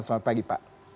selamat pagi pak